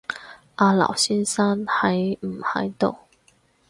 阿劉先生喺唔喺度